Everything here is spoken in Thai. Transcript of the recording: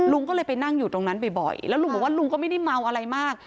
ลุงก็เลยไปนั่งอยู่ตรงนั้นบ่อยแล้วลุงบอกว่าลุงก็ไม่ได้เมาอะไรมาก